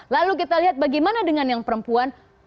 lalu kita lihat bagaimana dengan yang perempuan